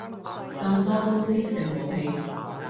咁多攻擊性武器